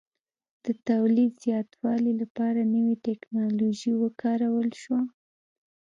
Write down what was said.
د تولید زیاتوالي لپاره نوې ټکنالوژي وکارول شوه